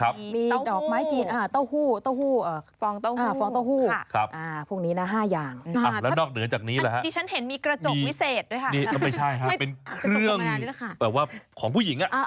อันนี้ของคุณชนะไม่ใช่เหรอที่วางอยู่